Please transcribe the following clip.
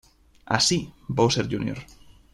Así, Bowser Jr.